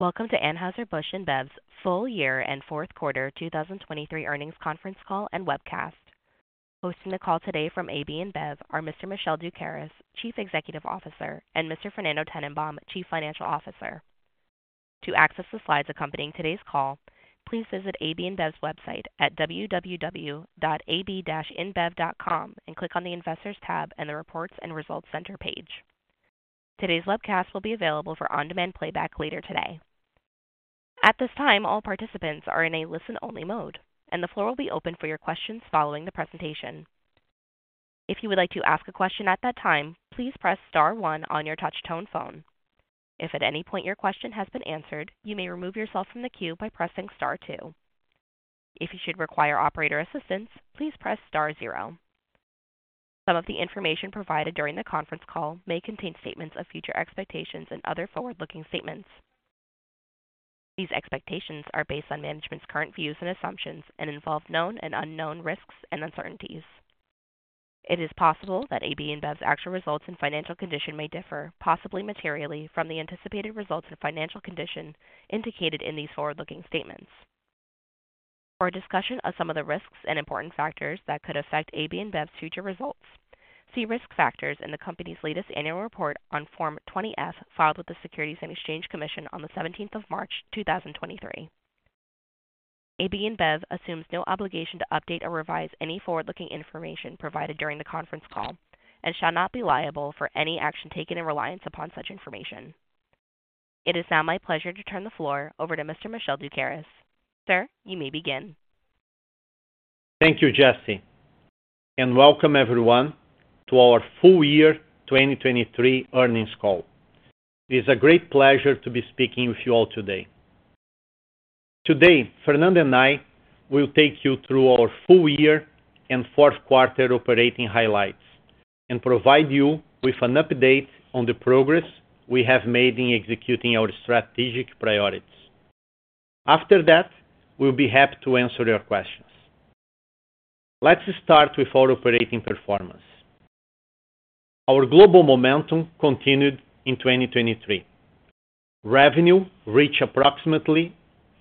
Welcome to Anheuser-Busch InBev's full year and fourth quarter 2023 earnings conference call and webcast. Hosting the call today from AB InBev are Mr. Michel Doukeris, Chief Executive Officer, and Mr. Fernando Tennenbaum, Chief Financial Officer. To access the slides accompanying today's call, please visit AB InBev's website at www.ab-inbev.com and click on the Investors tab and the Reports and Results Center page. Today's webcast will be available for on-demand playback later today. At this time, all participants are in a listen-only mode, and the floor will be open for your questions following the presentation. If you would like to ask a question at that time, please press star 1 on your touch-tone phone. If at any point your question has been answered, you may remove yourself from the queue by pressing star 2. If you should require operator assistance, please press star 0. Some of the information provided during the conference call may contain statements of future expectations and other forward-looking statements. These expectations are based on management's current views and assumptions and involve known and unknown risks and uncertainties. It is possible that AB InBev's actual results and financial condition may differ, possibly materially, from the anticipated results and financial condition indicated in these forward-looking statements. For a discussion of some of the risks and important factors that could affect AB InBev's future results, see risk factors in the company's latest annual report on Form 20-F filed with the Securities and Exchange Commission on the 17th of March, 2023. AB InBev assumes no obligation to update or revise any forward-looking information provided during the conference call and shall not be liable for any action taken in reliance upon such information. It is now my pleasure to turn the floor over to Mr. Michel Doukeris. Sir, you may begin. Thank you, Jessie, and welcome everyone to our full year 2023 earnings call. It is a great pleasure to be speaking with you all today. Today, Fernando and I will take you through our full year and fourth quarter operating highlights and provide you with an update on the progress we have made in executing our strategic priorities. After that, we'll be happy to answer your questions. Let's start with our operating performance. Our global momentum continued in 2023. Revenue reached approximately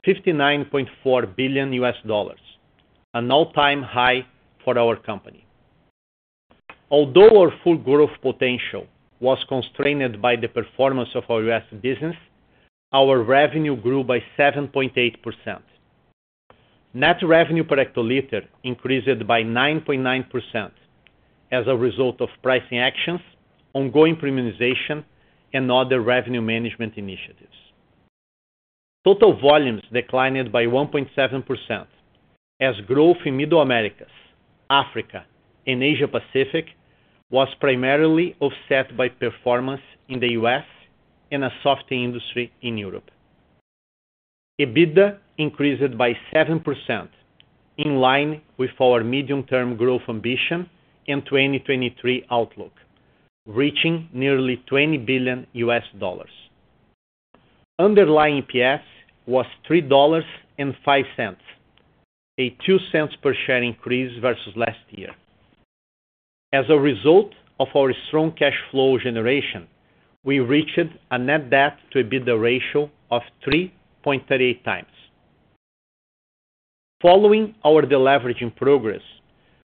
$59.4 billion, an all-time high for our company. Although our full growth potential was constrained by the performance of our U.S. business, our revenue grew by 7.8%. Net revenue per hectoliter increased by 9.9% as a result of pricing actions, ongoing premiumization, and other revenue management initiatives. Total volumes declined by 1.7% as growth in Middle Americas, Africa, and Asia-Pacific was primarily offset by performance in the U.S. A soft industry in Europe. EBITDA increased by 7% in line with our medium-term growth ambition and 2023 outlook, reaching nearly $20 billion. Underlying EPS was $3.05, a $0.02 per share increase versus last year. As a result of our strong cash flow generation, we reached a Net Debt to EBITDA ratio of 3.38 times. Following our deleveraging progress,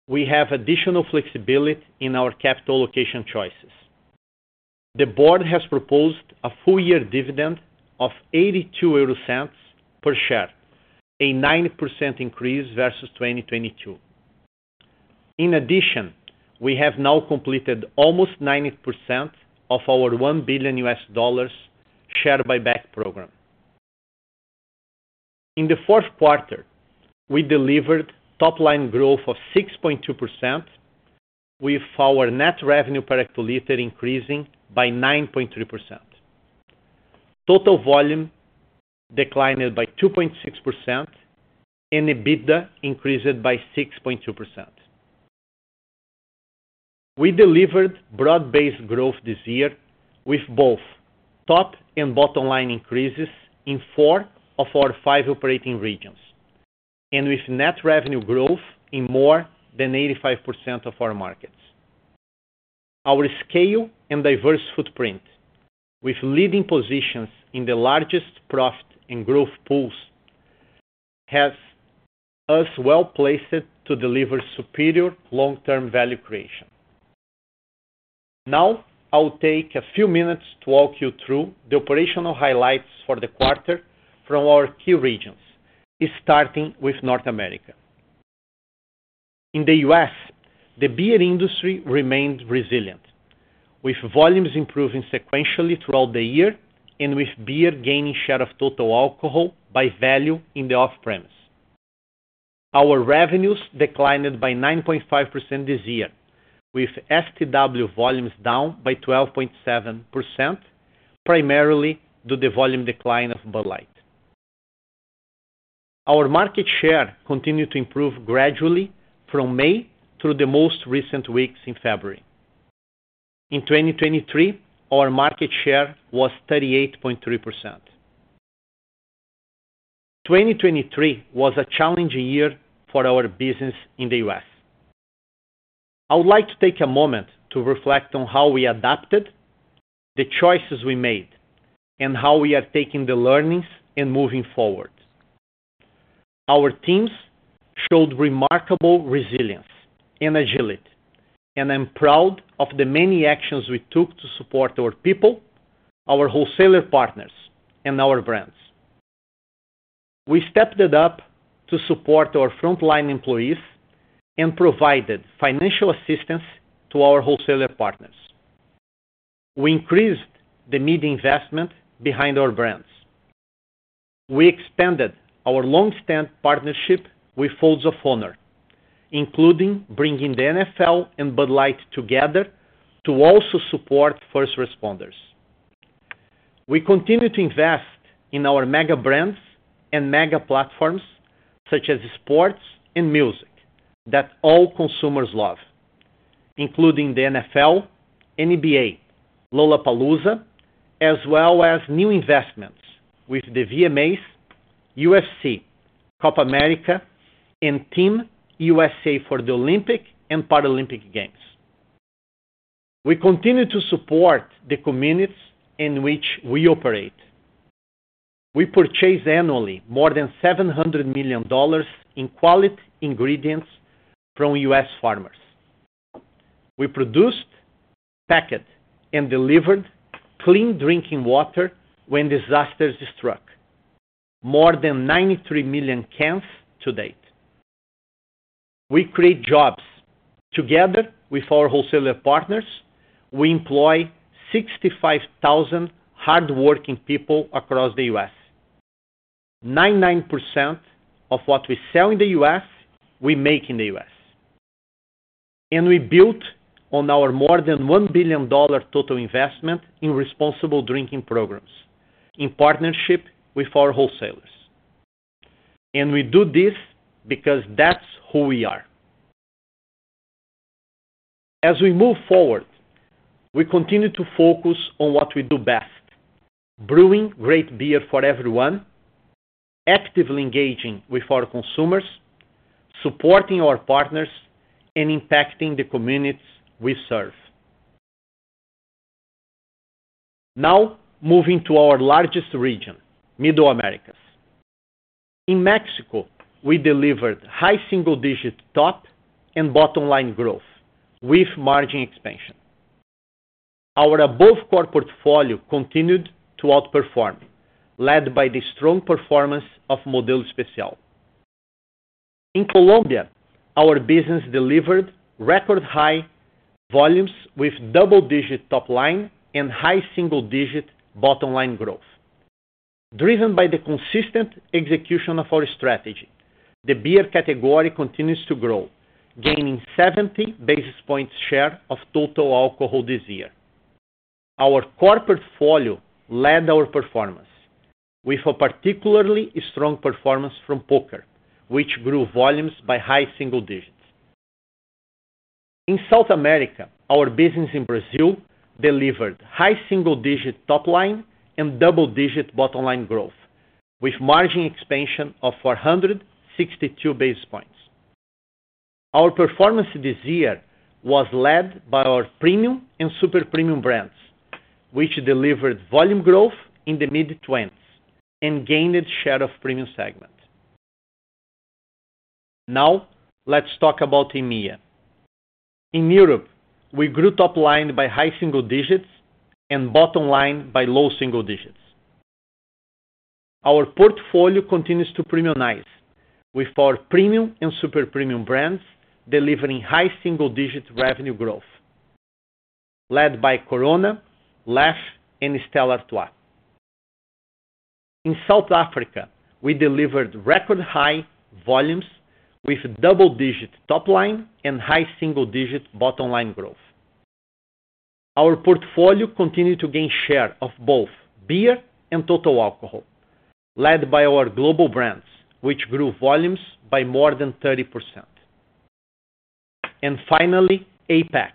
we have additional flexibility in our capital allocation choices. The board has proposed a full-year dividend of 0.82 per share, a 90% increase versus 2022. In addition, we have now completed almost 90% of our $1 billion share-buyback program. In the fourth quarter, we delivered top-line growth of 6.2% with our net revenue per hectoliter increasing by 9.3%, total volume declining by 2.6%, and EBITDA increasing by 6.2%. We delivered broad-based growth this year with both top and bottom-line increases in four of our five operating regions and with net revenue growth in more than 85% of our markets. Our scale and diverse footprint, with leading positions in the largest profit and growth pools, has us well-placed to deliver superior long-term value creation. Now I'll take a few minutes to walk you through the operational highlights for the quarter from our key regions, starting with North America. In the U.S., the beer industry remained resilient, with volumes improving sequentially throughout the year and with beer gaining share of total alcohol by value in the off-premise. Our revenues declined by 9.5% this year, with FTW volumes down by 12.7%, primarily due to the volume decline of Bud Light. Our market share continued to improve gradually from May through the most recent weeks in February. In 2023, our market share was 38.3%. 2023 was a challenging year for our business in the U.S. I would like to take a moment to reflect on how we adapted, the choices we made, and how we are taking the learnings and moving forward. Our teams showed remarkable resilience and agility, and I'm proud of the many actions we took to support our people, our wholesaler partners, and our brands. We stepped it up to support our front-line employees and provided financial assistance to our wholesaler partners. We increased the needed investment behind our brands. We expanded our long-standing partnership with Folds of Honor, including bringing the NFL and Bud Light together to also support first responders. We continue to invest in our mega brands and mega platforms such as sports and music that all consumers love, including the NFL and NBA, Lollapalooza, as well as new investments with the VMAs, UFC, Copa América, and Team USA for the Olympic and Paralympic Games. We continue to support the communities in which we operate. We purchase annually more than $700 million in quality ingredients from U.S. farmers. We produced, packed, and delivered clean drinking water when disasters struck, more than 93 million cans to date. We create jobs. Together with our wholesaler partners, we employ 65,000 hardworking people across the U.S. 99% of what we sell in the U.S., we make in the U.S. And we built on our more than $1 billion total investment in responsible drinking programs in partnership with our wholesalers. And we do this because that's who we are. As we move forward, we continue to focus on what we do best: brewing great beer for everyone, actively engaging with our consumers, supporting our partners, and impacting the communities we serve. Now moving to our largest region, Middle Americas. In Mexico, we delivered high single-digit top and bottom-line growth with margin expansion. Our Above Core portfolio continued to outperform, led by the strong performance of Modelo Especial. In Colombia, our business delivered record-high volumes with double-digit top line and high single-digit bottom-line growth. Driven by the consistent execution of our strategy, the beer category continues to grow, gaining 70 basis points share of total alcohol this year. Our core portfolio led our performance, with a particularly strong performance from Poker, which grew volumes by high single digits. In South America, our business in Brazil delivered high single-digit top line and double-digit bottom-line growth with margin expansion of 462 basis points. Our performance this year was led by our premium and super premium brands, which delivered volume growth in the mid-20s and gained share of premium segment. Now let's talk about EMEA. In Europe, we grew top line by high single digits and bottom line by low single digits. Our portfolio continues to premiumize, with our premium and super premium brands delivering high single-digit revenue growth, led by Corona, Leffe, and Stella Artois. In South Africa, we delivered record-high volumes with double-digit top line and high single-digit bottom-line growth. Our portfolio continued to gain share of both beer and total alcohol, led by our global brands, which grew volumes by more than 30%. And finally, APAC.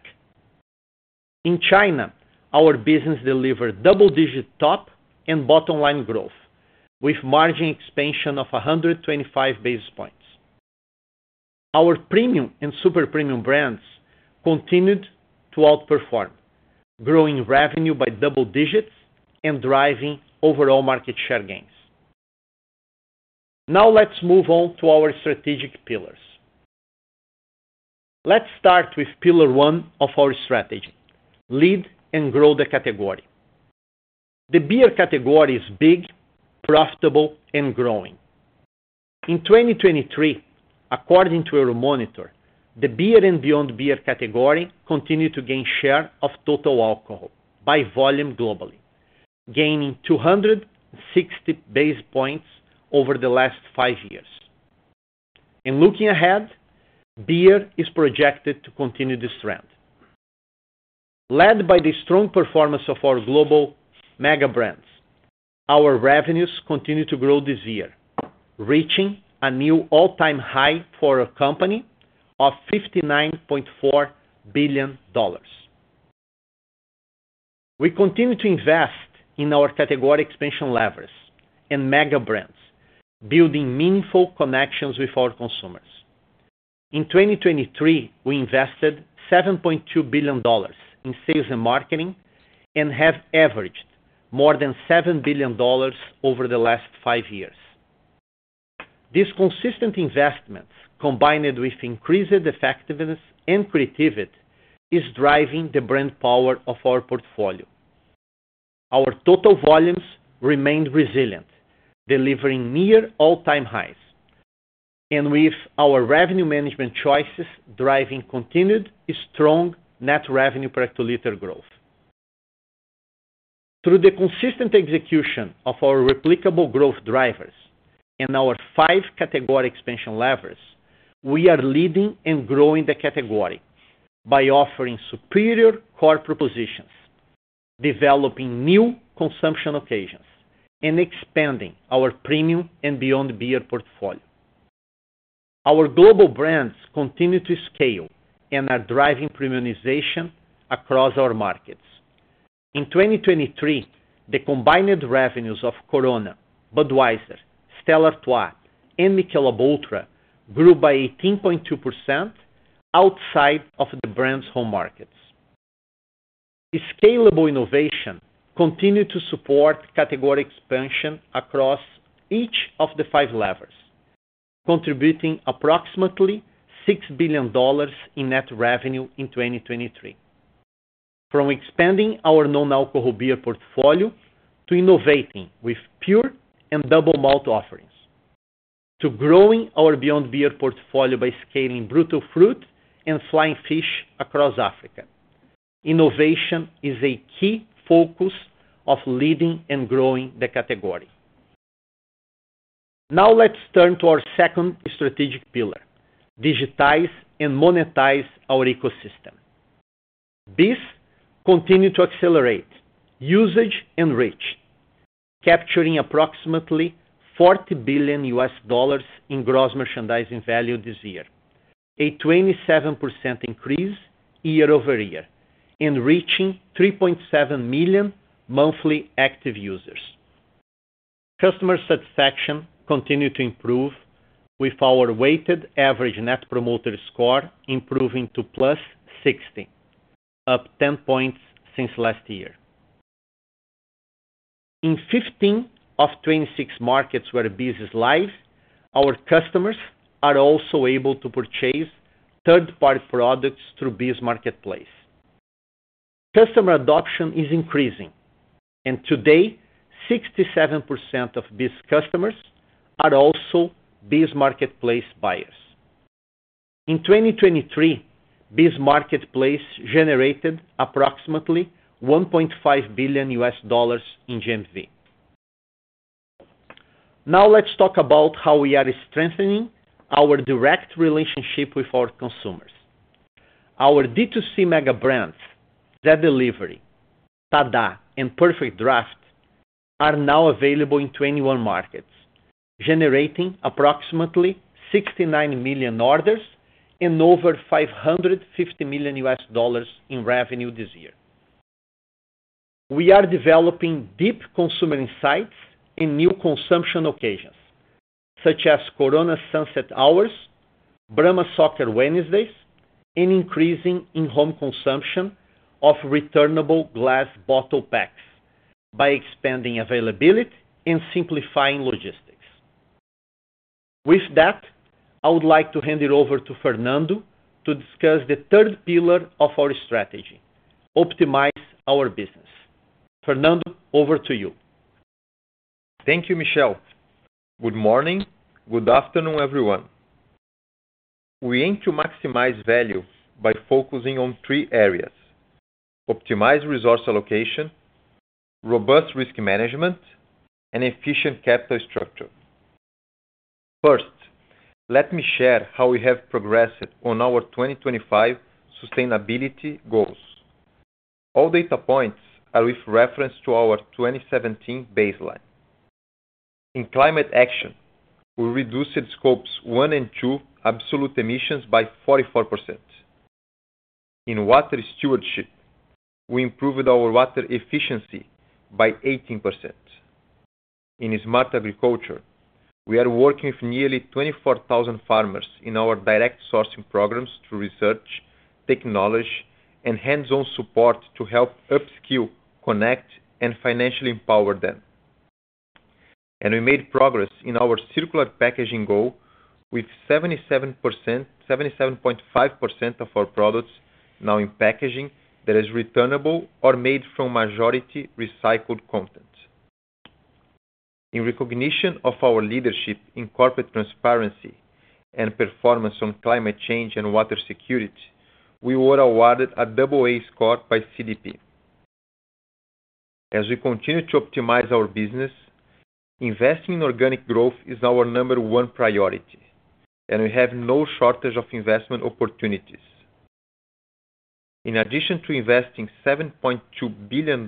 In China, our business delivered double-digit top and bottom-line growth with margin expansion of 125 basis points. Our premium and super premium brands continued to outperform, growing revenue by double digits and driving overall market share gains. Now let's move on to our strategic pillars. Let's start with pillar 1 of our strategy: lead and grow the category. The beer category is big, profitable, and growing. In 2023, according to Euromonitor, the beer and beyond beer category continued to gain share of total alcohol by volume globally, gaining 260 basis points over the last 5 years. Looking ahead, beer is projected to continue this trend. Led by the strong performance of our global mega brands, our revenues continued to grow this year, reaching a new all-time high for our company of $59.4 billion. We continue to invest in our category expansion levers and mega brands, building meaningful connections with our consumers. In 2023, we invested $7.2 billion in sales and marketing and have averaged more than $7 billion over the last five years. This consistent investment, combined with increased effectiveness and creativity, is driving the brand power of our portfolio. Our total volumes remained resilient, delivering near all-time highs, and with our revenue management choices driving continued strong net revenue per hectoliter growth. Through the consistent execution of our replicable growth drivers and our five category expansion levers, we are leading and growing the category by offering superior core propositions, developing new consumption occasions, and expanding our premium and Beyond Beer portfolio. Our global brands continue to scale and are driving premiumization across our markets. In 2023, the combined revenues of Corona, Budweiser, Stella Artois, and Michelob ULTRA grew by 18.2% outside of the brands' home markets. Scalable innovation continued to support category expansion across each of the five levers, contributing approximately $6 billion in net revenue in 2023, from expanding our non-alcohol beer portfolio to innovating with pure and double-malt offerings, to growing our Beyond Beer portfolio by scaling Brutal Fruit and Flying Fish across Africa. Innovation is a key focus of leading and growing the category. Now let's turn to our second strategic pillar: digitize and monetize our ecosystem. BEES continued to accelerate usage and reach, capturing approximately $40 billion in gross merchandising value this year, a 27% increase year-over-year, and reaching 3.7 million monthly active users. Customer satisfaction continued to improve with our weighted average Net Promoter Score improving to +60, up 10 points since last year. In 15 of 26 markets where BEES is live, our customers are also able to purchase third-party products through BEES Marketplace. Customer adoption is increasing, and today 67% of BEES customers are also BEES Marketplace buyers. In 2023, BEES Marketplace generated approximately $1.5 billion in GMV. Now let's talk about how we are strengthening our direct relationship with our consumers. Our D2C mega brands Zé Delivery, TaDa, and PerfectDraft are now available in 21 markets, generating approximately 69 million orders and over $550 million in revenue this year. We are developing deep consumer insights and new consumption occasions, such as Corona Sunset Hours, Brahma Soccer Wednesdays, and increasing in-home consumption of returnable glass bottle packs by expanding availability and simplifying logistics. With that, I would like to hand it over to Fernando to discuss the third pillar of our strategy: optimize our business. Fernando, over to you. Thank you, Michel. Good morning. Good afternoon, everyone. We aim to maximize value by focusing on three areas: optimized resource allocation, robust risk management, and efficient capital structure. First, let me share how we have progressed on our 2025 sustainability goals. All data points are with reference to our 2017 baseline. In climate action, we reduced Scopes 1 and 2 absolute emissions by 44%. In water stewardship, we improved our water efficiency by 18%. In smart agriculture, we are working with nearly 24,000 farmers in our direct sourcing programs through research, technology, and hands-on support to help upskill, connect, and financially empower them. And we made progress in our circular packaging goal with 77.5% of our products now in packaging that is returnable or made from majority recycled content. In recognition of our leadership in corporate transparency and performance on climate change and water security, we were awarded a AA score by CDP. As we continue to optimize our business, investing in organic growth is our number one priority, and we have no shortage of investment opportunities. In addition to investing $7.2 billion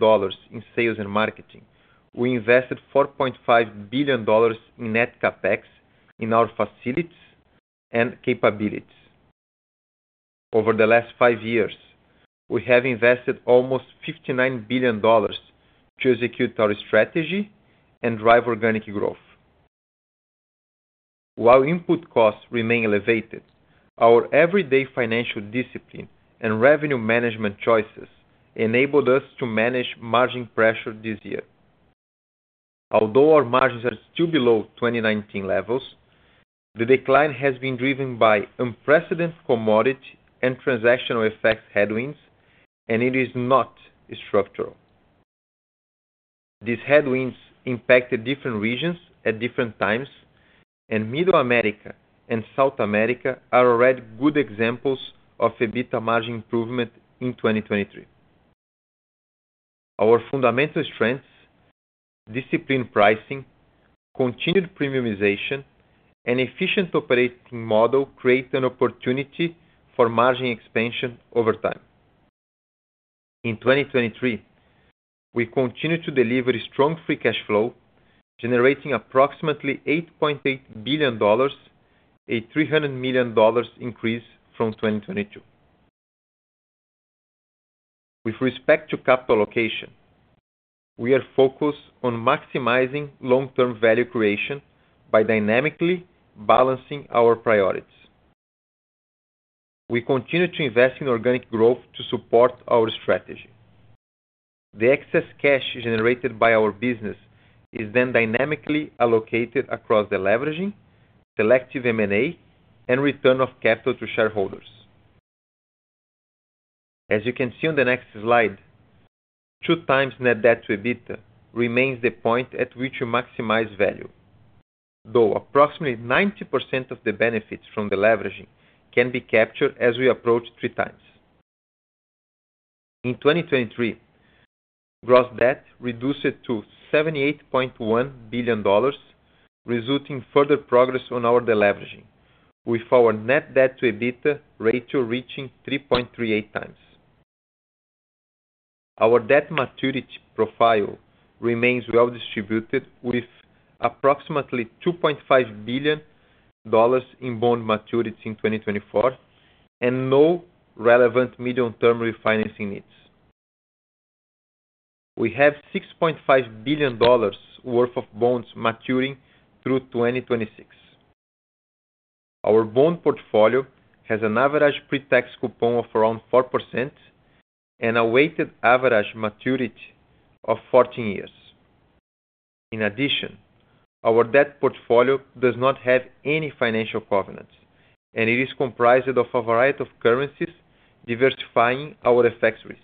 in sales and marketing, we invested $4.5 billion in net CapEx in our facilities and capabilities. Over the last five years, we have invested almost $59 billion to execute our strategy and drive organic growth. While input costs remain elevated, our everyday financial discipline and revenue management choices enabled us to manage margin pressure this year. Although our margins are still below 2019 levels, the decline has been driven by unprecedented commodity and transactional effects headwinds, and it is not structural. These headwinds impacted different regions at different times, and Middle America and South America are already good examples of EBITDA margin improvement in 2023. Our fundamental strengths—disciplined pricing, continued premiumization, and efficient operating model—create an opportunity for margin expansion over time. In 2023, we continue to deliver strong free cash flow, generating approximately $8.8 billion, a $300 million increase from 2022. With respect to capital allocation, we are focused on maximizing long-term value creation by dynamically balancing our priorities. We continue to invest in organic growth to support our strategy. The excess cash generated by our business is then dynamically allocated across deleveraging, selective M&A, and return of capital to shareholders. As you can see on the next slide, 2x net debt to EBITDA remains the point at which we maximize value, though approximately 90% of the benefits from deleveraging can be captured as we approach 3x. In 2023, gross debt reduced to $78.1 billion, resulting in further progress on our deleveraging, with our net debt to EBITDA ratio reaching 3.38 times. Our debt maturity profile remains well distributed, with approximately $2.5 billion in bond maturities in 2024 and no relevant medium-term refinancing needs. We have $6.5 billion worth of bonds maturing through 2026. Our bond portfolio has an average pre-tax coupon of around 4% and a weighted average maturity of 14 years. In addition, our debt portfolio does not have any financial covenants, and it is comprised of a variety of currencies diversifying our FX risk.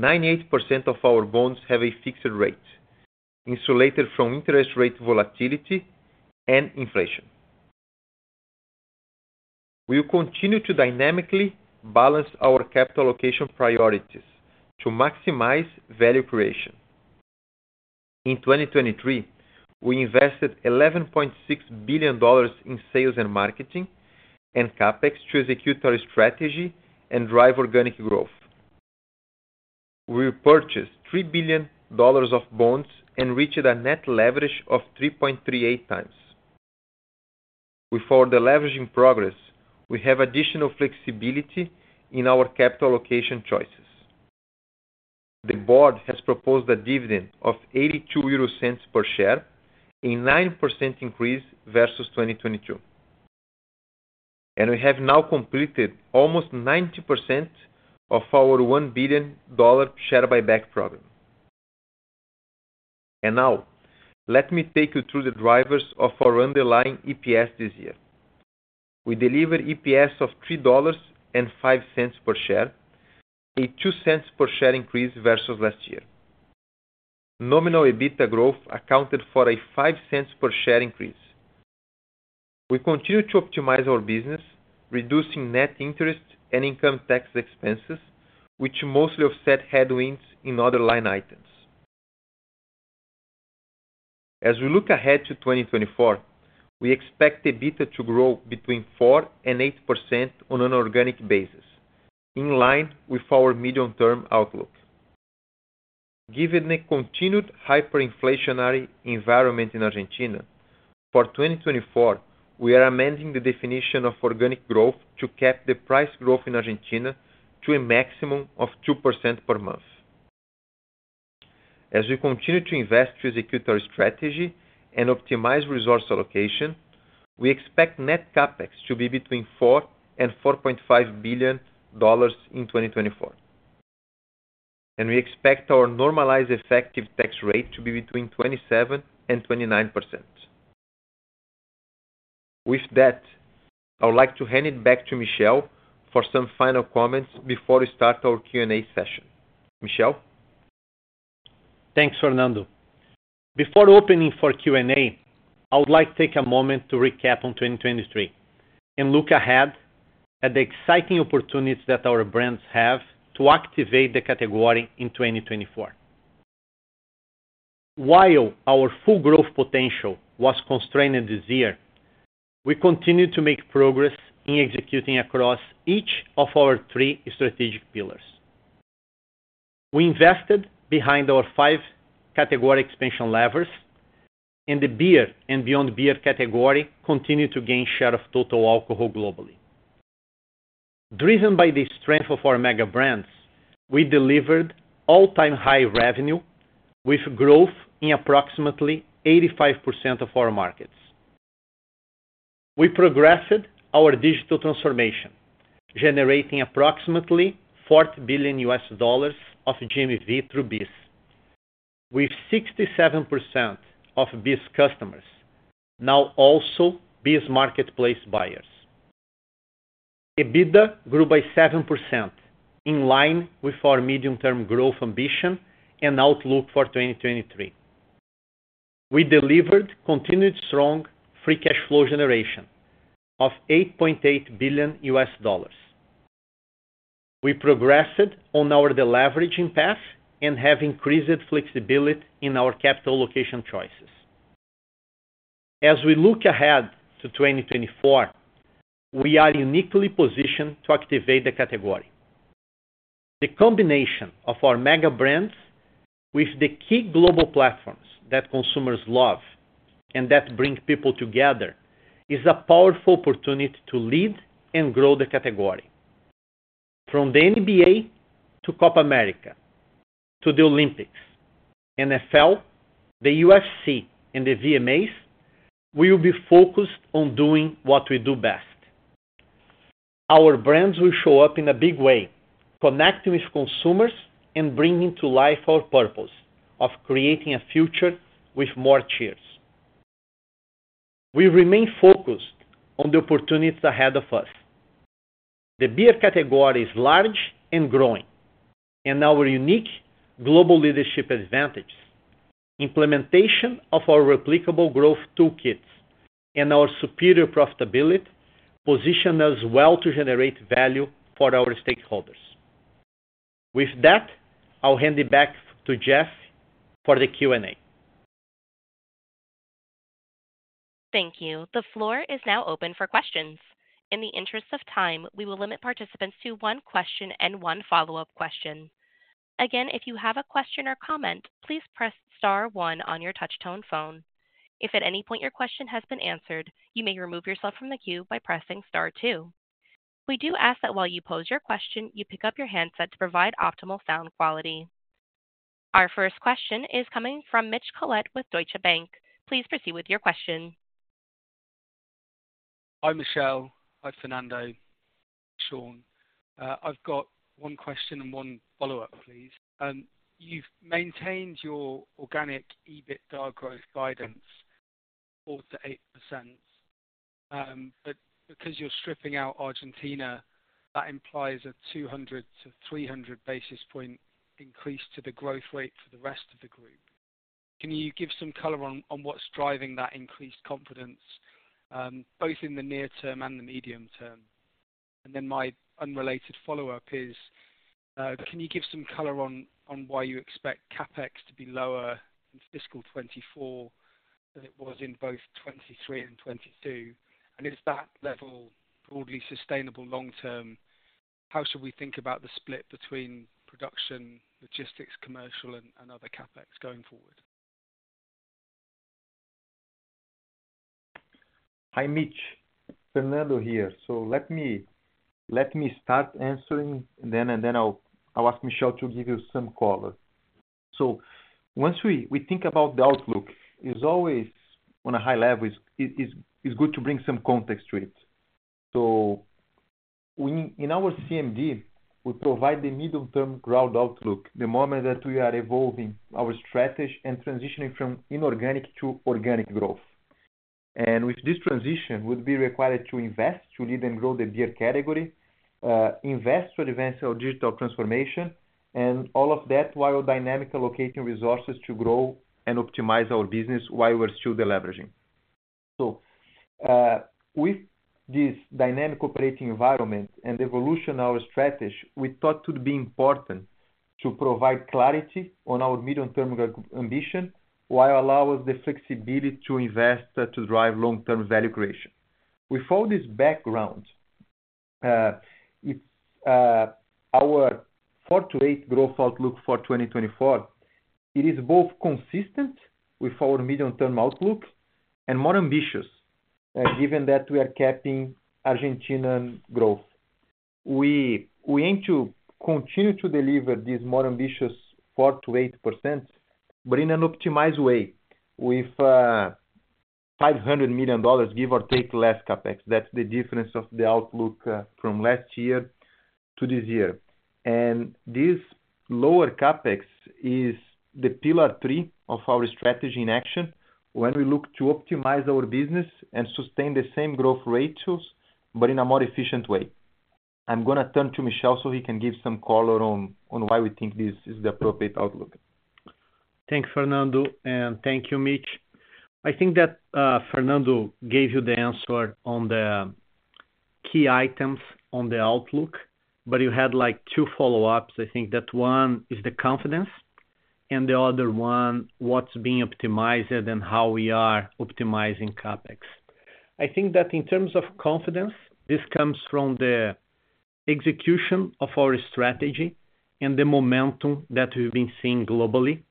98% of our bonds have a fixed rate, insulated from interest rate volatility and inflation. We continue to dynamically balance our capital allocation priorities to maximize value creation. In 2023, we invested $11.6 billion in sales and marketing and CapEx to execute our strategy and drive organic growth. We purchased $3 billion of bonds and reached a net leverage of 3.38 times. With our leveraging progress, we have additional flexibility in our capital allocation choices. The board has proposed a dividend of €0.82 per share, a 9% increase versus 2022. We have now completed almost 90% of our $1 billion share-buyback program. Now, let me take you through the drivers of our underlying EPS this year. We deliver EPS of $3.05 per share, a $0.02 per share increase versus last year. Nominal EBITDA growth accounted for a $0.05 per share increase. We continue to optimize our business, reducing net interest and income tax expenses, which mostly offset headwinds in other line items. As we look ahead to 2024, we expect EBITDA to grow between 4%-8% on an organic basis, in line with our medium-term outlook. Given the continued hyperinflationary environment in Argentina, for 2024, we are amending the definition of organic growth to cap the price growth in Argentina to a maximum of 2% per month. As we continue to invest to execute our strategy and optimize resource allocation, we expect net CapEx to be between $4-$4.5 billion in 2024. We expect our normalized effective tax rate to be between 27%-29%. With that, I would like to hand it back to Michel for some final comments before we start our Q&A session. Michel? Thanks, Fernando. Before opening for Q&A, I would like to take a moment to recap on 2023 and look ahead at the exciting opportunities that our brands have to activate the category in 2024. While our full growth potential was constrained this year, we continue to make progress in executing across each of our three strategic pillars. We invested behind our five category expansion levers, and the beer and Beyond Beer category continued to gain share of total alcohol globally. Driven by the strength of our mega brands, we delivered all-time high revenue with growth in approximately 85% of our markets. We progressed our digital transformation, generating approximately $4 billion of GMV through BEES, with 67% of BEES customers now also BEES Marketplace buyers. EBITDA grew by 7%, in line with our medium-term growth ambition and outlook for 2023. We delivered continued strong free cash flow generation of $8.8 billion. We progressed on our leveraging path and have increased flexibility in our capital allocation choices. As we look ahead to 2024, we are uniquely positioned to activate the category. The combination of our mega brands with the key global platforms that consumers love and that bring people together is a powerful opportunity to lead and grow the category. From the NBA to Copa América to the Olympics, NFL, the UFC, and the VMAs, we will be focused on doing what we do best. Our brands will show up in a big way, connecting with consumers and bringing to life our purpose of creating a future with more cheers. We remain focused on the opportunities ahead of us. The beer category is large and growing, and our unique global leadership advantages, implementation of our replicable growth toolkits, and our superior profitability position us well to generate value for our stakeholders. With that, I will hand it back to Jess for the Q&A. Thank you. The floor is now open for questions. In the interest of time, we will limit participants to one question and one follow-up question. Again, if you have a question or comment, please press star 1 on your touchscreen phone. If at any point your question has been answered, you may remove yourself from the queue by pressing star 2. We do ask that while you pose your question, you pick up your handset to provide optimal sound quality. Our first question is coming from Mitch Collett with Deutsche Bank. Please proceed with your question. Hi Michel. Hi Fernando. Shaun. I've got one question and one follow-up, please. You've maintained your organic EBITDA growth guidance of 4%-8%, but because you're stripping out Argentina, that implies a 200-300 basis point increase to the growth rate for the rest of the group. Can you give some color on what's driving that increased confidence, both in the near term and the medium term? And then my unrelated follow-up is, can you give some color on why you expect CapEx to be lower in fiscal 2024 than it was in both 2023 and 2022? And is that level broadly sustainable longer-term? How should we think about the split between production, logistics, commercial, and other CapEx going forward? Hi Mitch. Fernando here. So let me start answering, and then I'll ask Michel to give you some color. So once we think about the outlook, on a high level, it's good to bring some context to it. So in our CMD, we provide the medium-term growth outlook the moment that we are evolving our strategy and transitioning from inorganic to organic growth. And with this transition, we'd be required to invest to lead and grow the beer category, invest to advance our digital transformation, and all of that while dynamically allocating resources to grow and optimize our business while we're still leveraging. So with this dynamic operating environment and evolution of our strategy, we thought it would be important to provide clarity on our medium-term ambition while allowing us the flexibility to invest to drive long-term value creation. With all this background, our 4%-8% growth outlook for 2024, it is both consistent with our medium-term outlook and more ambitious, given that we are capping Argentine growth. We aim to continue to deliver this more ambitious 4%-8%, but in an optimized way, with $500 million, give or take less CapEx. That's the difference of the outlook from last year to this year. And this lower CapEx is the pillar three of our strategy in action when we look to optimize our business and sustain the same growth ratios, but in a more efficient way. I'm going to turn to Michel so he can give some color on why we think this is the appropriate outlook. Thanks, Fernando. Thank you, Mitch. I think that Fernando gave you the answer on the key items on the outlook, but you had two follow-ups. I think that one is the confidence and the other one what's being optimized and how we are optimizing CapEx. I think that in terms of confidence, this comes from the execution of our strategy and the momentum that we've been seeing globally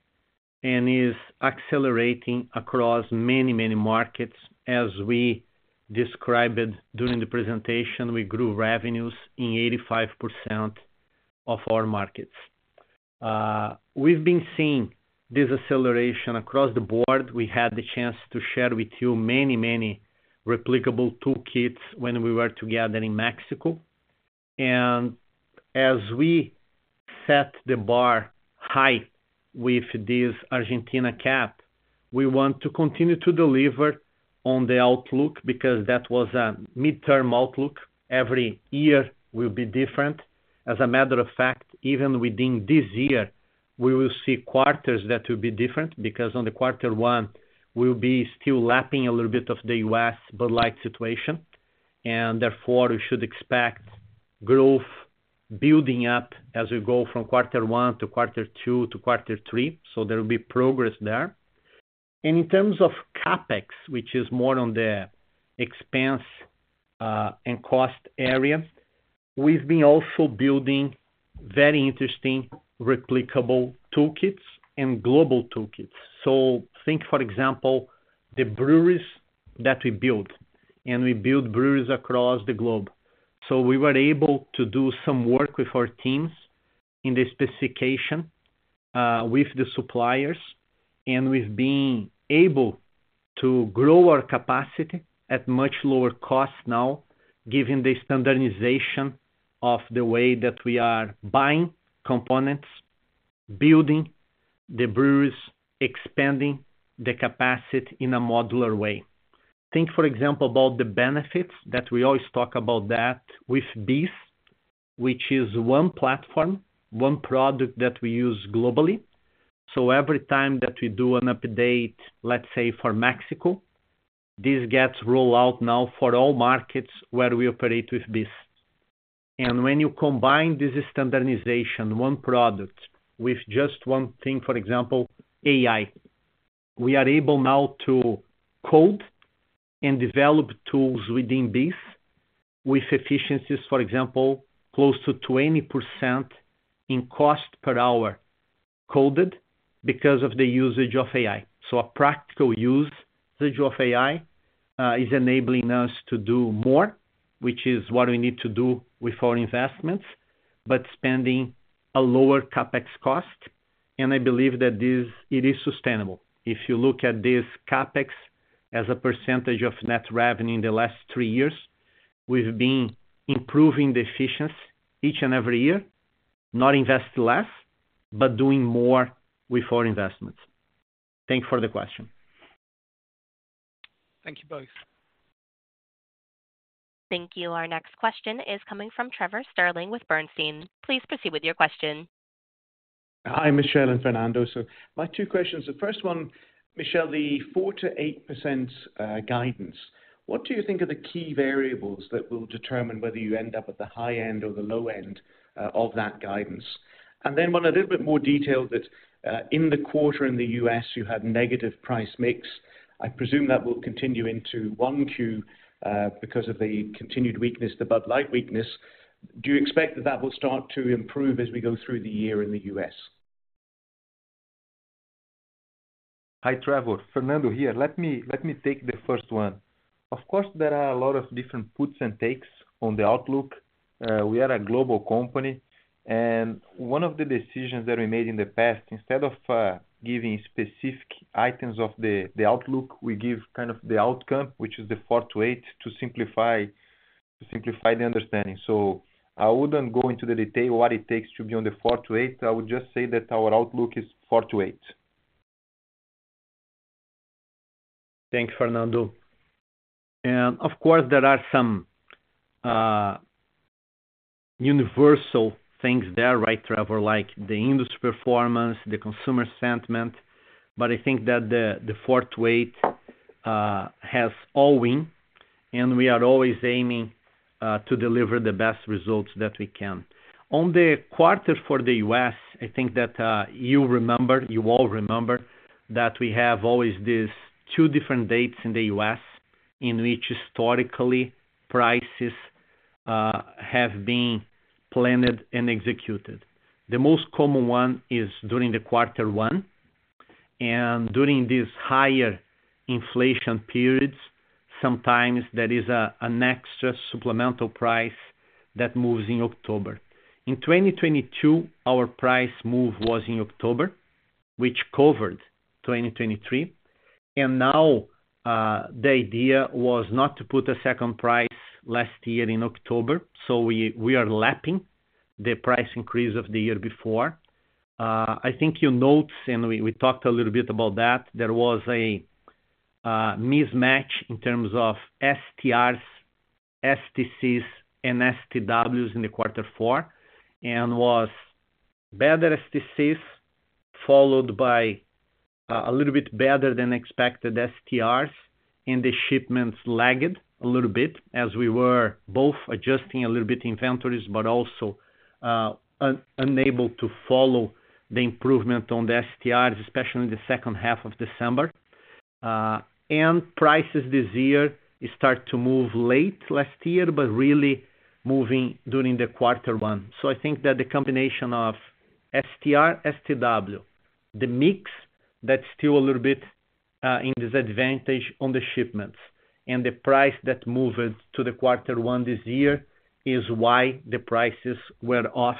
and is accelerating across many, many markets. As we described during the presentation, we grew revenues in 85% of our markets. We've been seeing this acceleration across the board. We had the chance to share with you many, many replicable toolkits when we were together in Mexico. As we set the bar high with this Argentina cap, we want to continue to deliver on the outlook because that was a mid-term outlook. Every year will be different. As a matter of fact, even within this year, we will see quarters that will be different because on quarter one, we'll be still lapping a little bit of the U.S. Bud Light situation. Therefore, we should expect growth building up as we go from quarter one to quarter two to quarter three. There will be progress there. In terms of CapEx, which is more on the expense and cost area, we've been also building very interesting replicable toolkits and global toolkits. So think, for example, the breweries that we built. We build breweries across the globe. So we were able to do some work with our teams in the specification, with the suppliers, and we've been able to grow our capacity at much lower costs now, given the standardization of the way that we are buying components, building the breweries, expanding the capacity in a modular way. Think, for example, about the benefits that we always talk about with BEES, which is one platform, one product that we use globally. So every time that we do an update, let's say for Mexico, this gets rolled out now for all markets where we operate with BEES. And when you combine this standardization, one product, with just one thing, for example, AI, we are able now to code and develop tools within BEES with efficiencies, for example, close to 20% in cost per hour coded because of the usage of AI. A practical usage of AI is enabling us to do more, which is what we need to do with our investments, but spending a lower CapEx cost. I believe that it is sustainable. If you look at this CapEx as a percentage of net revenue in the last three years, we've been improving the efficiency each and every year, not investing less, but doing more with our investments. Thank you for the question. Thank you both. Thank you. Our next question is coming from Trevor Stirling with Bernstein. Please proceed with your question. Hi, Michel and Fernando. So my two questions. The first one, Michel, the 4%-8% guidance, what do you think are the key variables that will determine whether you end up at the high end or the low end of that guidance? And then one a little bit more detailed that in the quarter in the U.S., you had negative price mix. I presume that will continue into one Q because of the continued weakness, the Bud Light weakness. Do you expect that that will start to improve as we go through the year in the U.S.? Hi Trevor. Fernando here. Let me take the first one. Of course, there are a lot of different puts and takes on the outlook. We are a global company. One of the decisions that we made in the past, instead of giving specific items of the outlook, we give kind of the outcome, which is the 4%-8%, to simplify the understanding. I wouldn't go into the detail what it takes to be on the 4%-8%. I would just say that our outlook is 4%-8%. Thanks, Fernando. And of course, there are some universal things there, right, Trevor, like the industry performance, the consumer sentiment. But I think that the 4%-8% has all win, and we are always aiming to deliver the best results that we can. On the quarter for the U.S., I think that you all remember that we have always these two different dates in the U.S. in which historically prices have been planned and executed. The most common one is during quarter one. And during these higher inflation periods, sometimes there is an extra supplemental price that moves in October. In 2022, our price move was in October, which covered 2023. And now the idea was not to put a second price last year in October. So we are lapping the price increase of the year before. I think you noted, and we talked a little bit about that, there was a mismatch in terms of STRs, STCs, and STWs in quarter four. And it was better STCs followed by a little bit better than expected STRs, and the shipments lagged a little bit as we were both adjusting a little bit inventories but also unable to follow the improvement on the STRs, especially in the second half of December. And prices this year started to move late last year but really moving during quarter one. So I think that the combination of STR, STW, the mix that's still a little bit in disadvantage on the shipments and the price that moved to quarter one this year is why the prices were off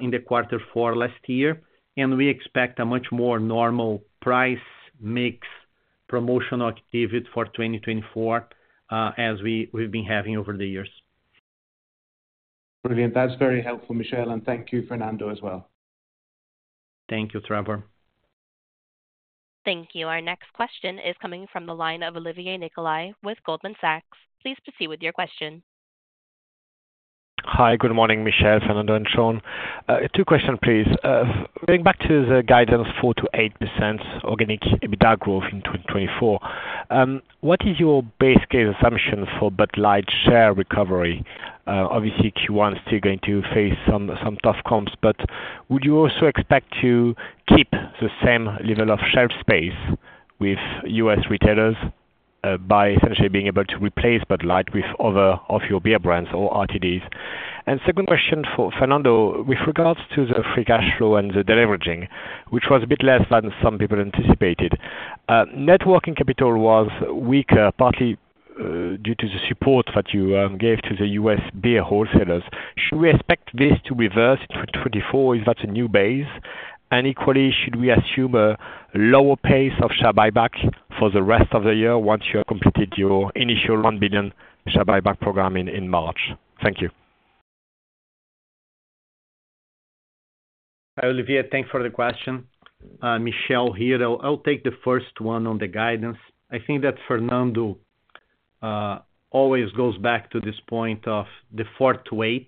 in quarter four last year. We expect a much more normal price mix promotional activity for 2024 as we've been having over the years. Brilliant. That's very helpful, Michel. And thank you, Fernando, as well. Thank you, Trevor. Thank you. Our next question is coming from the line of Olivier Nicolai with Goldman Sachs. Please proceed with your question. Hi. Good morning, Michel, Fernando, and Shaun. Two questions, please. Going back to the guidance 4%-8% organic EBITDA growth in 2024, what is your base case assumption for Bud Light share recovery? Obviously, Q1 is still going to face some tough comps, but would you also expect to keep the same level of shelf space with U.S. retailers by essentially being able to replace Bud Light with other beyond beer brands or RTDs? And second question for Fernando, with regards to the free cash flow and the deleveraging, which was a bit less than some people anticipated, working capital was weaker, partly due to the support that you gave to the U.S. beer wholesalers. Should we expect this to reverse in 2024? Is that a new base? Equally, should we assume a lower pace of share buyback for the rest of the year once you have completed your initial $1 billion share buyback program in March? Thank you. Hi Olivier. Thanks for the question. Michel here. I'll take the first one on the guidance. I think that Fernando always goes back to this point of the 4%-8%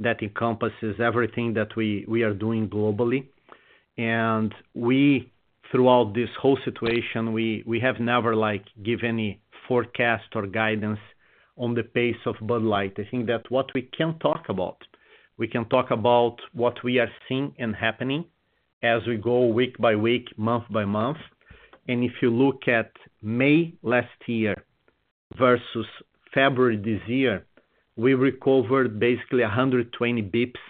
that encompasses everything that we are doing globally. Throughout this whole situation, we have never given any forecast or guidance on the pace of Bud Light. I think that what we can talk about, we can talk about what we are seeing and happening as we go week by week, month by month. If you look at May last year versus February this year, we recovered basically 120 basis points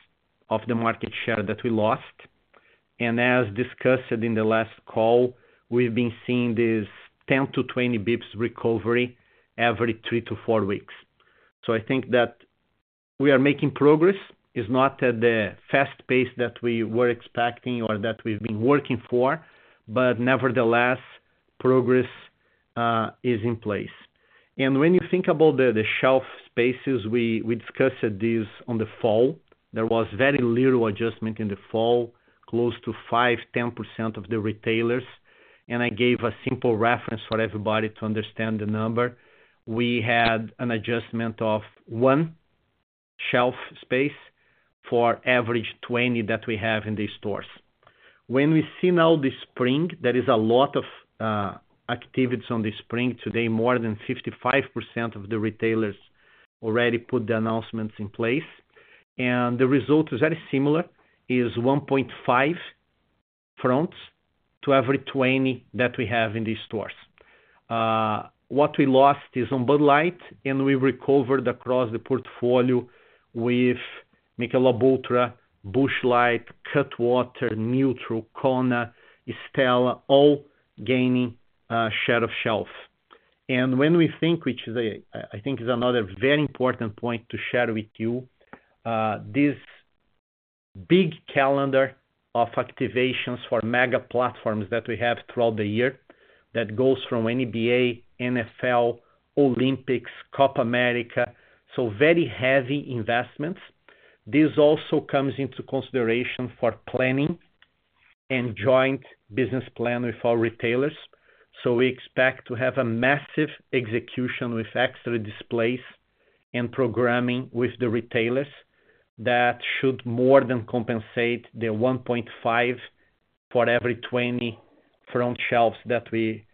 of the market share that we lost. As discussed in the last call, we've been seeing this 10-20 basis points recovery every three to four weeks. I think that we are making progress. It's not at the fast pace that we were expecting or that we've been working for, but nevertheless, progress is in place. When you think about the shelf spaces, we discussed this in the fall. There was very little adjustment in the fall, close to 5%-10% of the retailers. I gave a simple reference for everybody to understand the number. We had an adjustment of 1 shelf space for average 20 that we have in the stores. When we see now this spring, there is a lot of activity on the spring. Today, more than 55% of the retailers already put the announcements in place. And the result is very similar. It's 1.5 fronts to every 20 that we have in the stores. What we lost is on Bud Light, and we recovered across the portfolio with Michelob ULTRA, Busch Light, Cutwater, NUTRL, Kona, Stella, all gaining share of shelf. And when we think, which I think is another very important point to share with you, this big calendar of activations for mega platforms that we have throughout the year that goes from NBA, NFL, Olympics, Copa América, so very heavy investments, this also comes into consideration for planning and joint business plan with our retailers. So we expect to have a massive execution with extra displays and programming with the retailers that should more than compensate the 1.5 for every 20 front shelves that we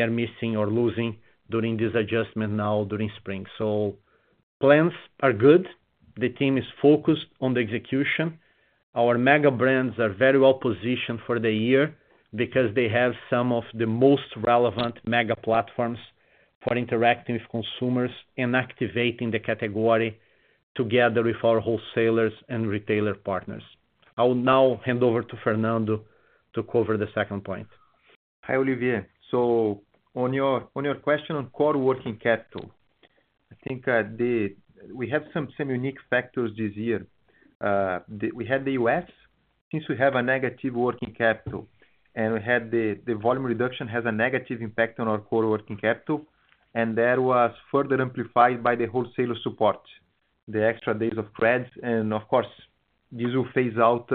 are missing or losing during this adjustment now during spring. So plans are good. The team is focused on the execution. Our mega brands are very well positioned for the year because they have some of the most relevant mega platforms for interacting with consumers and activating the category together with our wholesalers and retailer partners. I will now hand over to Fernando to cover the second point. Hi Olivier. So on your question on core working capital, I think we had some unique factors this year. We had the U.S. Since we have a negative working capital and we had the volume reduction, it has a negative impact on our core working capital. And that was further amplified by the wholesaler support, the extra days of creds. And of course, this will phase out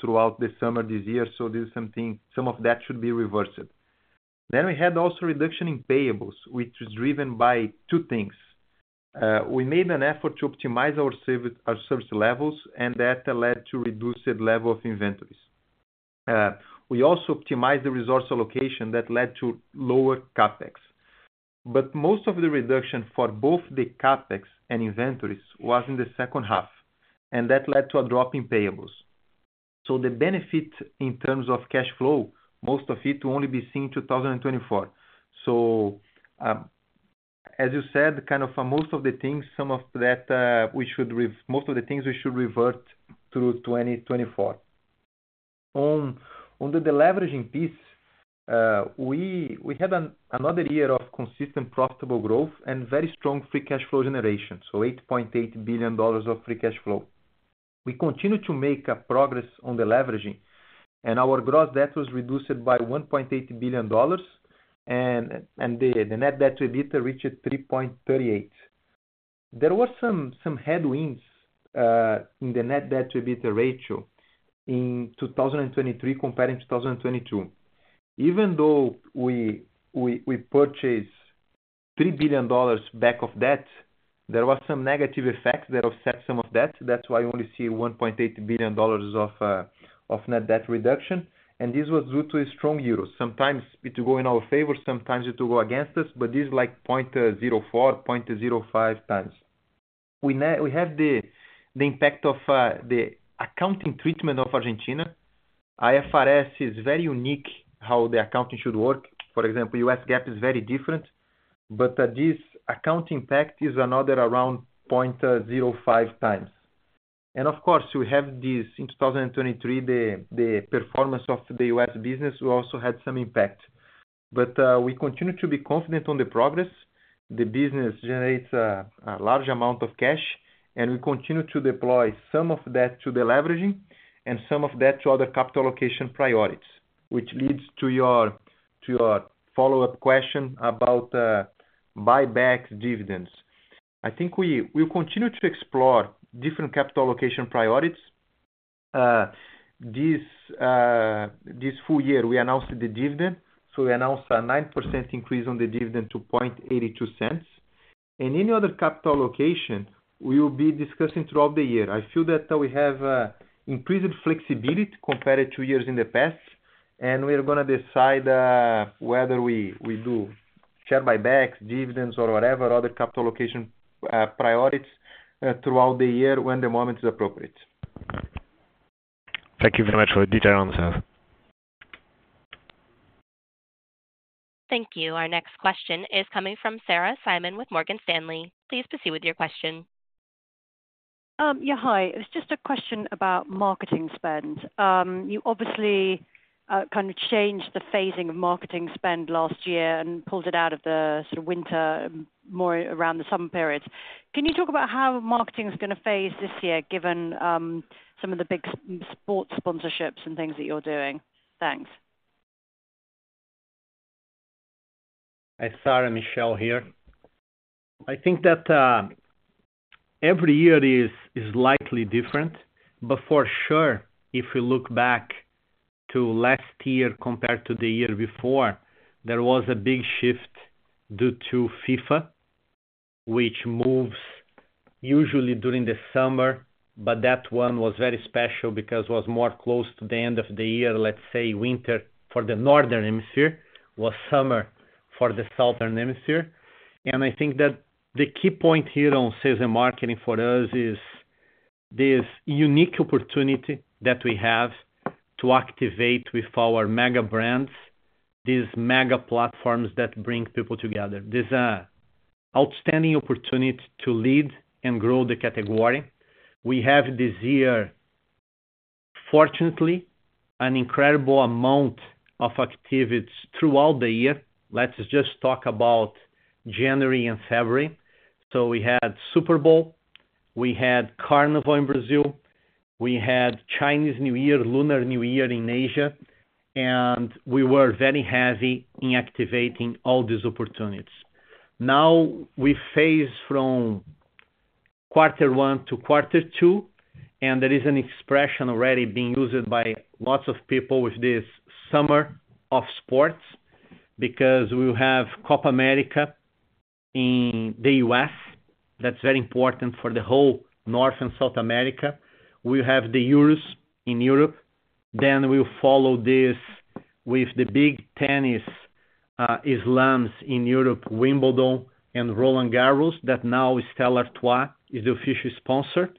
throughout the summer this year. So some of that should be reversed. Then we had also reduction in payables, which is driven by two things. We made an effort to optimize our service levels, and that led to reduced level of inventories. We also optimized the resource allocation that led to lower CapEx. But most of the reduction for both the CapEx and inventories was in the second half. And that led to a drop in payables. The benefit in terms of cash flow, most of it will only be seen in 2024. As you said, kind of most of the things, some of that, most of the things we should revert through 2024. On the deleveraging piece, we had another year of consistent profitable growth and very strong free cash flow generation, so $8.8 billion of free cash flow. We continue to make progress on the leveraging, and our gross debt was reduced by $1.8 billion. The net debt to EBITDA reached 3.38. There were some headwinds in the net debt to EBITDA ratio in 2023 compared to 2022. Even though we purchased $3 billion back of debt, there were some negative effects that offset some of that. That's why we only see $1.8 billion of net debt reduction. This was due to a strong euro. Sometimes it will go in our favor. Sometimes it will go against us. But this is like 0.04, 0.05 times. We have the impact of the accounting treatment of Argentina. IFRS is very unique how the accounting should work. For example, U.S. GAAP is very different. But this account impact is another around 0.05 times. And of course, we have this in 2023, the performance of the U.S. business also had some impact. But we continue to be confident on the progress. The business generates a large amount of cash, and we continue to deploy some of that to the leveraging and some of that to other capital allocation priorities, which leads to your follow-up question about buybacks dividends. I think we will continue to explore different capital allocation priorities. This full year, we announced the dividend. So we announced a 9% increase on the dividend to 0.82. Any other capital allocation, we will be discussing throughout the year. I feel that we have increased flexibility compared to years in the past. We are going to decide whether we do share buybacks, dividends, or whatever other capital allocation priorities throughout the year when the moment is appropriate. Thank you very much for the detailed answers. Thank you. Our next question is coming from Sarah Simon with Morgan Stanley. Please proceed with your question. Yeah. Hi. It's just a question about marketing spend. You obviously kind of changed the phasing of marketing spend last year and pulled it out of the sort of winter, more around the summer periods. Can you talk about how marketing is going to phase this year given some of the big sports sponsorships and things that you're doing? Thanks. Hi, Sarah and Michel here. I think that every year is slightly different. But for sure, if we look back to last year compared to the year before, there was a big shift due to FIFA, which moves usually during the summer. But that one was very special because it was more close to the end of the year, let's say winter for the northern hemisphere was summer for the southern hemisphere. And I think that the key point here on season marketing for us is this unique opportunity that we have to activate with our mega brands, these mega platforms that bring people together. This is an outstanding opportunity to lead and grow the category. We have this year, fortunately, an incredible amount of activities throughout the year. Let's just talk about January and February. So we had Super Bowl. We had Carnival in Brazil. We had Chinese New Year, Lunar New Year in Asia. We were very heavy in activating all these opportunities. Now we phase from quarter one to quarter two. There is an expression already being used by lots of people with this summer of sports because we will have Copa América in the U.S. That's very important for the whole North and South America. We will have the Euros in Europe. Then we will follow this with the big tennis slams in Europe, Wimbledon and Roland-Garros that now Stella Artois is the official sponsor.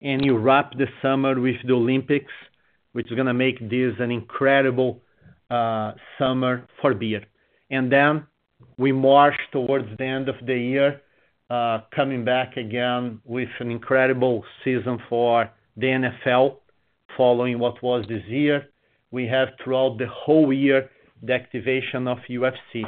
You wrap the summer with the Olympics, which is going to make this an incredible summer for beer. Then we march towards the end of the year, coming back again with an incredible season for the NFL following what was this year. We have throughout the whole year the activation of UFC.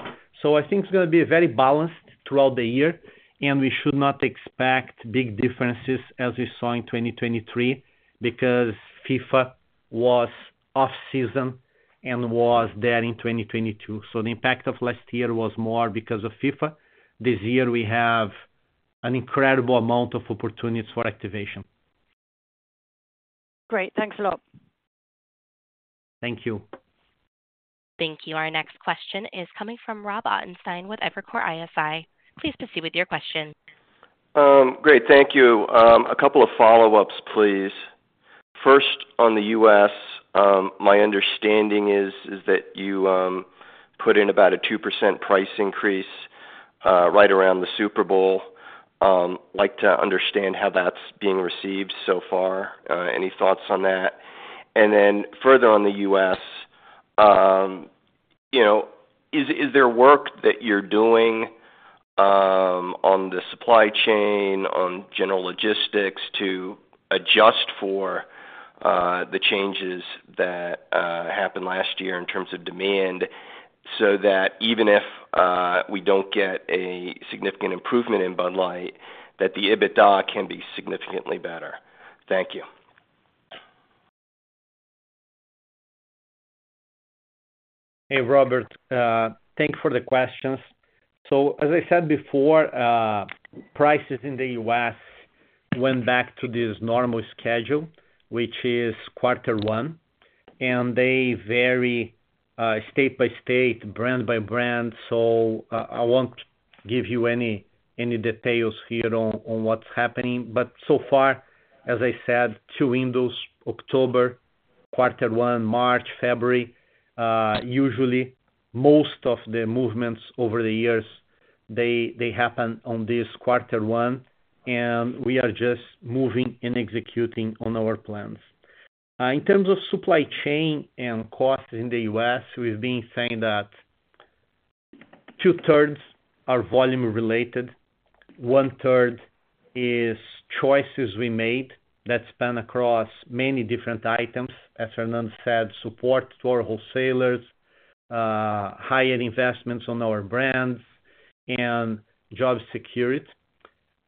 I think it's going to be very balanced throughout the year. We should not expect big differences as we saw in 2023 because FIFA was off-season and was there in 2022. The impact of last year was more because of FIFA. This year, we have an incredible amount of opportunities for activation. Great. Thanks a lot. Thank you. Thank you. Our next question is coming from Rob Ottenstein with Evercore ISI. Please proceed with your question. Great. Thank you. A couple of follow-ups, please. First, on the U.S., my understanding is that you put in about a 2% price increase right around the Super Bowl. I'd like to understand how that's being received so far. Any thoughts on that? And then further on the U.S., is there work that you're doing on the supply chain, on general logistics to adjust for the changes that happened last year in terms of demand so that even if we don't get a significant improvement in Bud Light, that the EBITDA can be significantly better? Thank you. Hey, Robert. Thanks for the questions. So as I said before, prices in the U.S. went back to this normal schedule, which is quarter one. They vary state by state, brand by brand. So I won't give you any details here on what's happening. But so far, as I said, two windows, October, quarter one, March, February. Usually, most of the movements over the years, they happen on this quarter one. We are just moving and executing on our plans. In terms of supply chain and costs in the U.S., we've been saying that two-thirds are volume-related. One-third is choices we made that span across many different items. As Fernando said, support to our wholesalers, higher investments on our brands, and job security.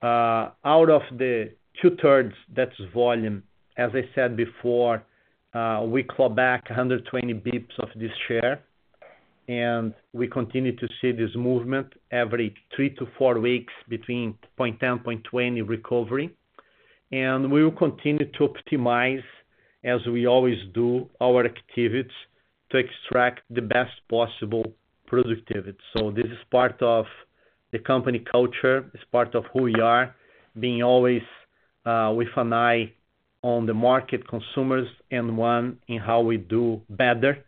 Out of the two-thirds that's volume, as I said before, we claw back 120 bps of this share. We continue to see this movement every three to four weeks between 0.10-0.20 recovery. We will continue to optimize, as we always do, our activities to extract the best possible productivity. This is part of the company culture. It's part of who we are, being always with an eye on the market, consumers, and an eye on how we do better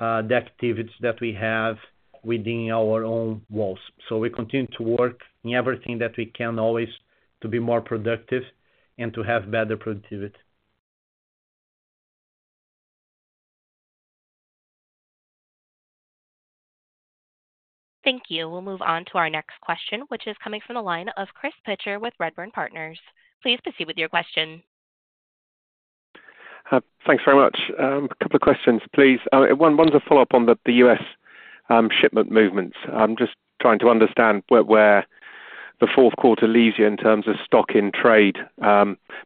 the activities that we have within our own walls. We continue to work in everything that we can always to be more productive and to have better productivity. Thank you. We'll move on to our next question, which is coming from the line of Chris Pitcher with Redburn Partners. Please proceed with your question. Thanks very much. A couple of questions, please. One's a follow-up on the U.S. shipment movements. I'm just trying to understand where the fourth quarter leaves you in terms of stock in trade,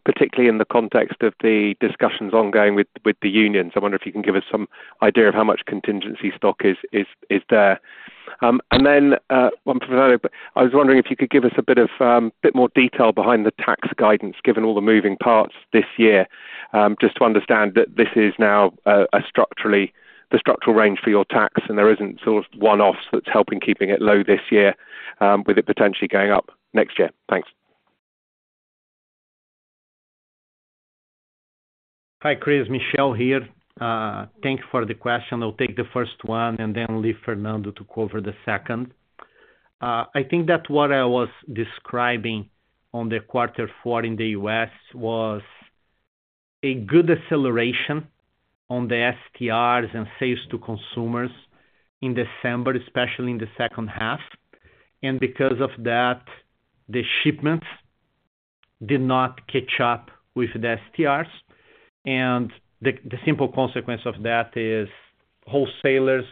particularly in the context of the discussions ongoing with the unions. I wonder if you can give us some idea of how much contingency stock is there. And then one for Fernando. I was wondering if you could give us a bit more detail behind the tax guidance given all the moving parts this year just to understand that this is now the structural range for your tax and there isn't sort of one-offs that's helping keeping it low this year with it potentially going up next year. Thanks. Hi, Chris. Michel here. Thank you for the question. I'll take the first one and then leave Fernando to cover the second. I think that what I was describing on the quarter four in the U.S. was a good acceleration on the STRs and sales to consumers in December, especially in the second half. And because of that, the shipments did not catch up with the STRs. And the simple consequence of that is wholesalers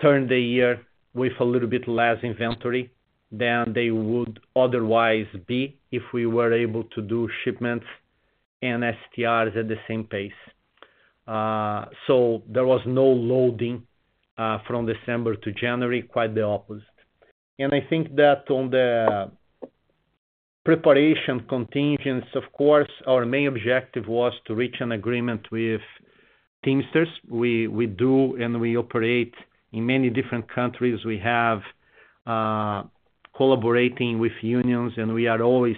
turned the year with a little bit less inventory than they would otherwise be if we were able to do shipments and STRs at the same pace. So there was no loading from December to January, quite the opposite. And I think that on the preparation contingents, of course, our main objective was to reach an agreement with Teamsters. We do and we operate in many different countries. We have collaborated with unions. We are always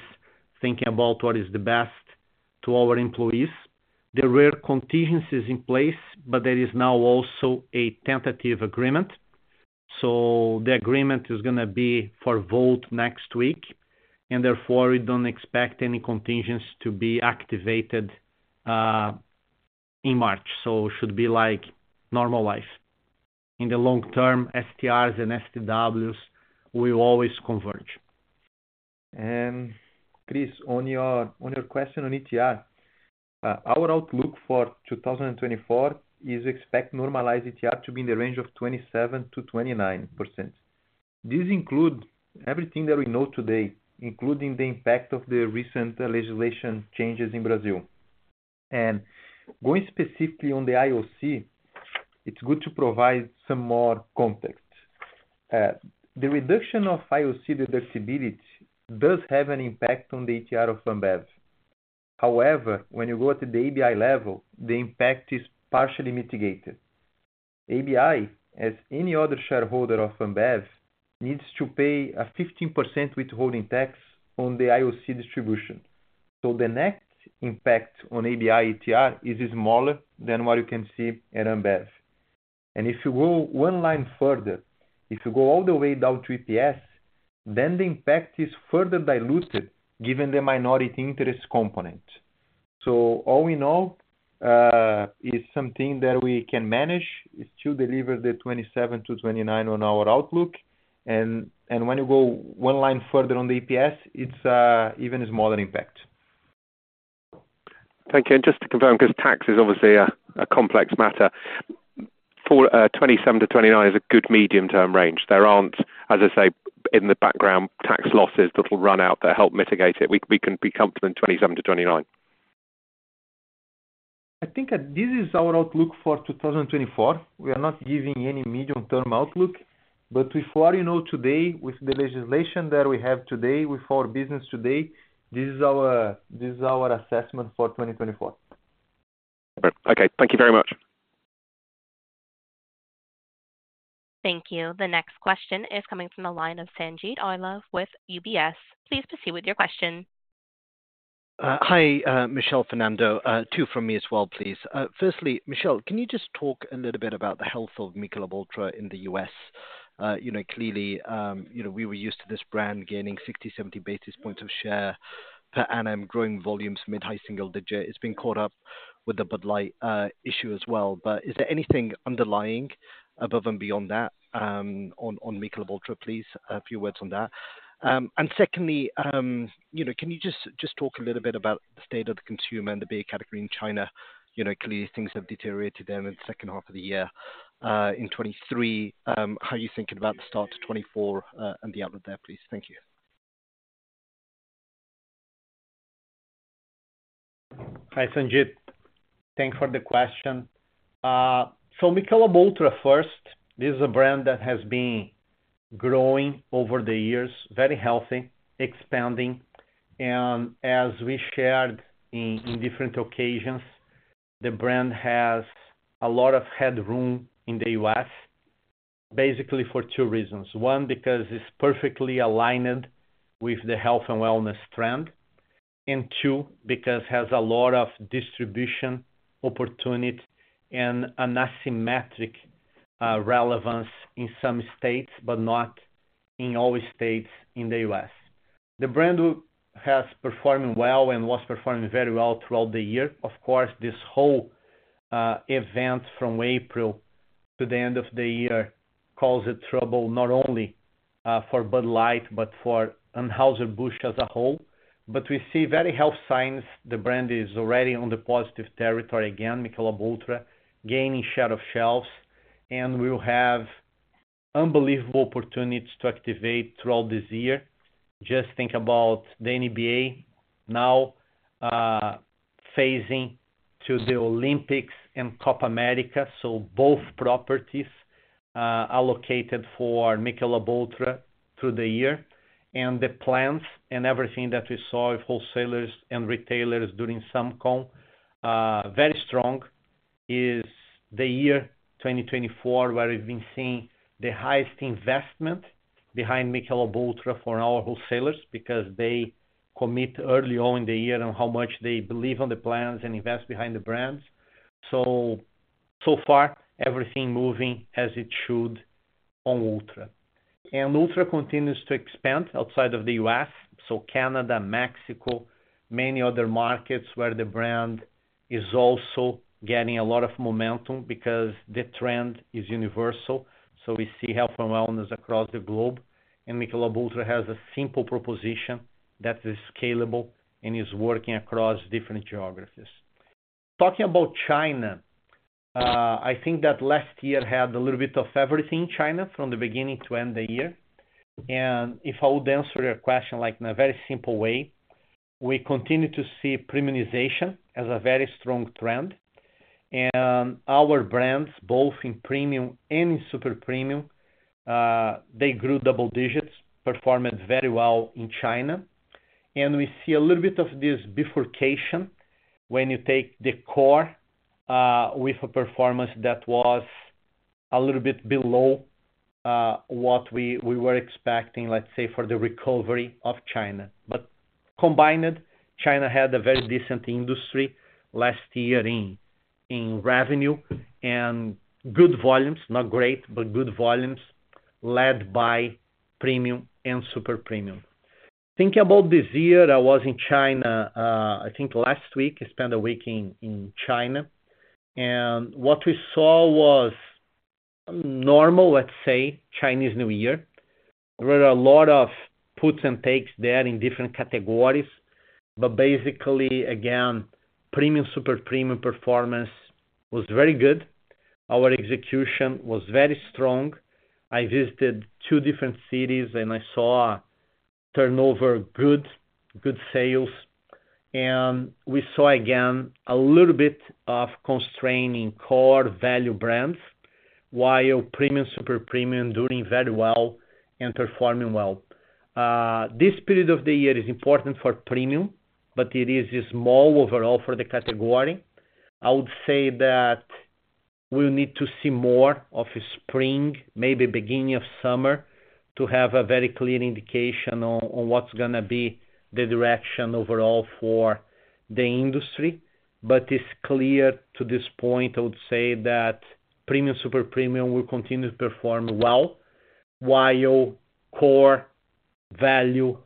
thinking about what is the best to our employees. There were contingencies in place, but there is now also a tentative agreement. So the agreement is going to be for vote next week. Therefore, we don't expect any contingents to be activated in March. So it should be like normal life. In the longer-term, STRs and STWs, we will always converge. Chris, on your question on ETR, our outlook for 2024 is to expect normalized ETR to be in the range of 27%-29%. This includes everything that we know today, including the impact of the recent legislation changes in Brazil. And going specifically on the IOC, it's good to provide some more context. The reduction of IOC deductibility does have an impact on the ETR of Ambev. However, when you go at the ABI level, the impact is partially mitigated. ABI, as any other shareholder of Ambev, needs to pay a 15% withholding tax on the IOC distribution. So the net impact on ABI ETR is smaller than what you can see at Ambev. And if you go one line further, if you go all the way down to EPS, then the impact is further diluted given the minority interest component. So all in all, it's something that we can manage. It still delivers the 27-29 on our outlook. And when you go one line further on the EPS, it's an even smaller impact. Thank you. And just to confirm because tax is obviously a complex matter, 27%-29% is a good medium-term range. There aren't, as I say, in the background tax losses that will run out that help mitigate it. We can be comfortable in 27%-29%. I think this is our outlook for 2024. We are not giving any medium-term outlook. But with what you know today, with the legislation that we have today, with our business today, this is our assessment for 2024. Okay. Thank you very much. Thank you. The next question is coming from the line of Sanjeet Aujla with UBS. Please proceed with your question. Hi, Michel, Fernando. Two from me as well, please. Firstly, Michel, can you just talk a little bit about the health of Michelob ULTRA in the U.S.? Clearly, we were used to this brand gaining 60, 70 basis points of share per annum, growing volumes mid-high single digit. It's been caught up with the Bud Light issue as well. But is there anything underlying above and beyond that on Michelob ULTRA, please? A few words on that. And secondly, can you just talk a little bit about the state of the consumer and the beer category in China? Clearly, things have deteriorated there in the second half of the year. In 2023, how are you thinking about the start to 2024 and the outlook there, please? Thank you. Hi, Sanjeet. Thanks for the question. So Michelob ULTRA first, this is a brand that has been growing over the years, very healthy, expanding. And as we shared in different occasions, the brand has a lot of headroom in the U.S., basically for two reasons. One, because it's perfectly aligned with the health and wellness trend. And two, because it has a lot of distribution opportunity and an asymmetric relevance in some states, but not in all states in the U.S. The brand has performed well and was performing very well throughout the year. Of course, this whole event from April to the end of the year caused trouble not only for Bud Light, but for Anheuser-Busch as a whole. But we see very healthy signs. The brand is already on the positive territory again, Michelob ULTRA, gaining share of shelves. And we will have unbelievable opportunities to activate throughout this year. Just think about the NBA now phasing to the Olympics and Copa América. So both properties are locked in for Michelob ULTRA through the year. And the plans and everything that we saw with wholesalers and retailers during SAMCOM, very strong, is the year 2024 where we've been seeing the highest investment behind Michelob ULTRA for our wholesalers because they commit early on in the year on how much they believe in the plans and invest behind the brands. So far, everything moving as it should on ULTRA. And ULTRA continues to expand outside of the U.S. So Canada, Mexico, many other markets where the brand is also getting a lot of momentum because the trend is universal. So we see health and wellness across the globe. And Michelob ULTRA has a simple proposition that is scalable and is working across different geographies. Talking about China, I think that last year had a little bit of everything in China from the beginning to end the year. And if I would answer your question in a very simple way, we continue to see premiumization as a very strong trend. And our brands, both in premium and in super premium, they grew double digits, performed very well in China. And we see a little bit of this bifurcation when you take the core with a performance that was a little bit below what we were expecting, let's say, for the recovery of China. But combined, China had a very decent industry last year in revenue and good volumes, not great, but good volumes led by premium and super premium. Thinking about this year, I was in China, I think last week, spent a week in China. What we saw was normal, let's say, Chinese New Year. There were a lot of puts and takes there in different categories. But basically, again, premium, super premium performance was very good. Our execution was very strong. I visited two different cities, and I saw turnover, good sales. And we saw, again, a little bit of constraint in core value brands while premium, super premium doing very well and performing well. This period of the year is important for premium, but it is small overall for the category. I would say that we'll need to see more of spring, maybe beginning of summer, to have a very clear indication on what's going to be the direction overall for the industry. It's clear to this point, I would say, that premium, super premium will continue to perform well while core value,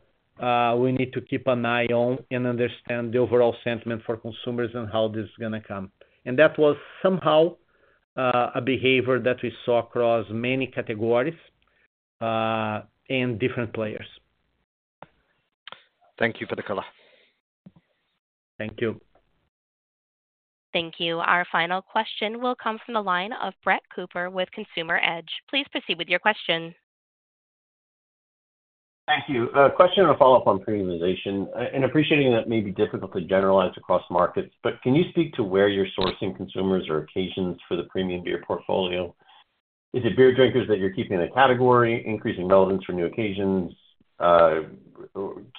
we need to keep an eye on and understand the overall sentiment for consumers and how this is going to come. That was somehow a behavior that we saw across many categories and different players. Thank you for the call. Thank you. Thank you. Our final question will come from the line of Brett Cooper with Consumer Edge. Please proceed with your question. Thank you. A question or follow-up on premiumization. And appreciating that it may be difficult to generalize across markets, but can you speak to where you're sourcing consumers or occasions for the premium beer portfolio? Is it beer drinkers that you're keeping in a category, increasing relevance for new occasions,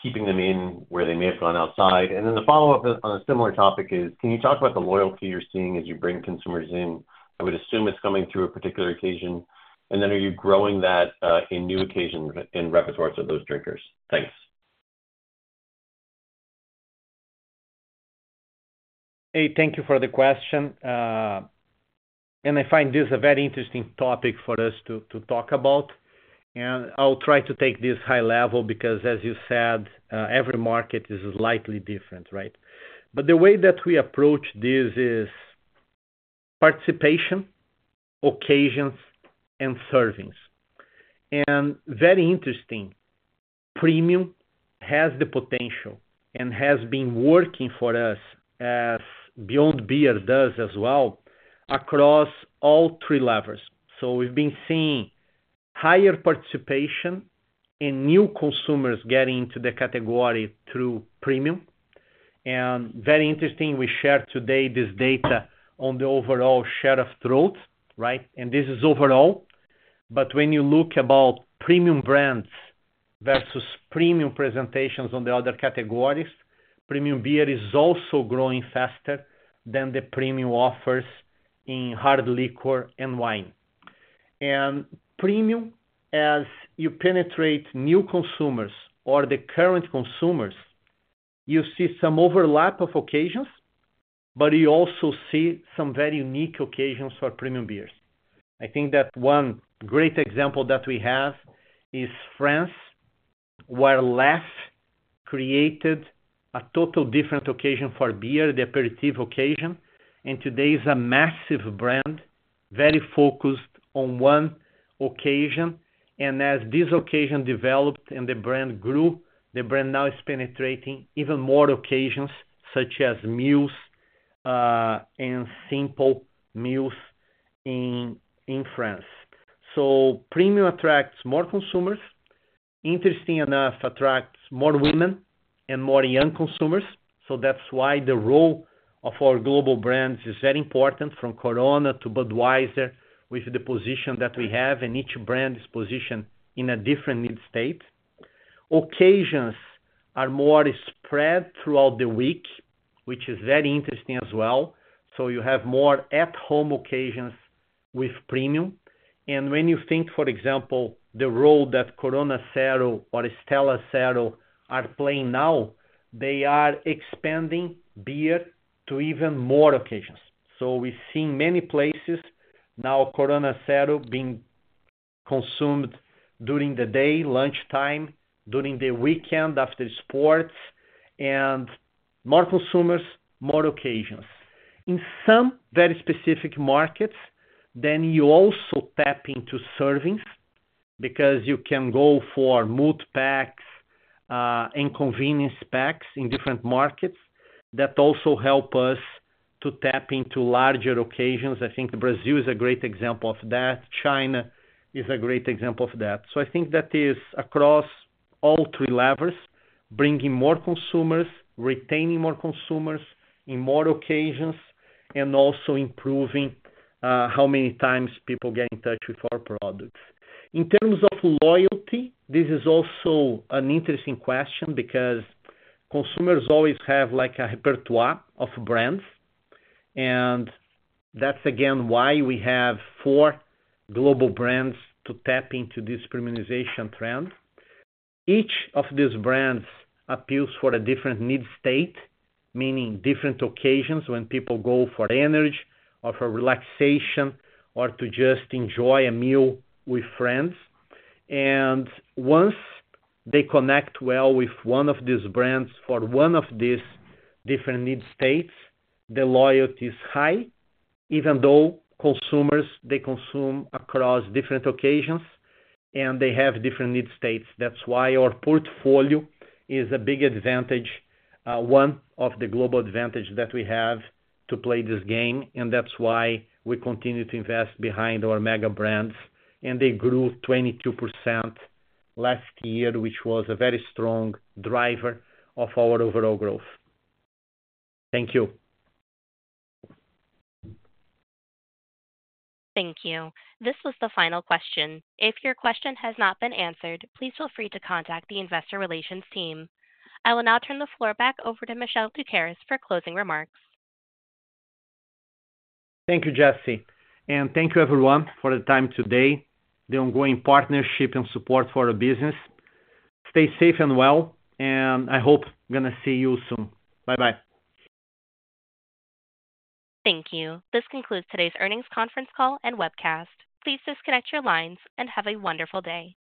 keeping them in where they may have gone outside? And then the follow-up on a similar topic is, can you talk about the loyalty you're seeing as you bring consumers in? I would assume it's coming through a particular occasion. And then are you growing that in new occasions in repertoires of those drinkers? Thanks. Hey, thank you for the question. I find this a very interesting topic for us to talk about. I'll try to take this high level because, as you said, every market is slightly different, right? But the way that we approach this is participation, occasions, and servings. Very interesting, premium has the potential and has been working for us, as Beyond Beer does as well, across all three levels. We've been seeing higher participation and new consumers getting into the category through premium. Very interesting, we shared today this data on the overall share of throat, right? This is overall. But when you look about premium brands versus premium presentations on the other categories, premium beer is also growing faster than the premium offers in hard liquor and wine. Premium, as you penetrate new consumers or the current consumers, you see some overlap of occasions, but you also see some very unique occasions for premium beers. I think that one great example that we have is France, where Leffe created a totally different occasion for beer, the aperitif occasion. And today is a massive brand, very focused on one occasion. And as this occasion developed and the brand grew, the brand now is penetrating even more occasions such as mules and simple mules in France. So premium attracts more consumers. Interesting enough, attracts more women and more young consumers. So that's why the role of our global brands is very important, from Corona to Budweiser with the position that we have, and each brand is positioned in a different need state. Occasions are more spread throughout the week, which is very interesting as well. So you have more at-home occasions with premium. And when you think, for example, the role that Corona Cero or Stella Zero are playing now, they are expanding beer to even more occasions. So we're seeing many places now Corona Cero being consumed during the day, lunchtime, during the weekend after sports, and more consumers, more occasions. In some very specific markets, then you also tap into servings because you can go for mood packs and convenience packs in different markets that also help us to tap into larger occasions. I think Brazil is a great example of that. China is a great example of that. So I think that is across all three levels, bringing more consumers, retaining more consumers in more occasions, and also improving how many times people get in touch with our products. In terms of loyalty, this is also an interesting question because consumers always have a repertoire of brands. That's, again, why we have four global brands to tap into this premiumization trend. Each of these brands appeals for a different need state, meaning different occasions when people go for energy or for relaxation or to just enjoy a meal with friends. Once they connect well with one of these brands for one of these different need states, the loyalty is high, even though consumers, they consume across different occasions and they have different need states. That's why our portfolio is a big advantage, one of the global advantages that we have to play this game. That's why we continue to invest behind our mega brands. They grew 22% last year, which was a very strong driver of our overall growth. Thank you. Thank you. This was the final question. If your question has not been answered, please feel free to contact the investor relations team. I will now turn the floor back over to Michel Doukeris for closing remarks. Thank you, Jesse. Thank you, everyone, for the time today, the ongoing partnership and support for our business. Stay safe and well, and I hope going to see you soon. Bye-bye. Thank you. This concludes today's earnings conference call and webcast. Please disconnect your lines and have a wonderful day.